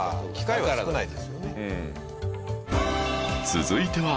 続いては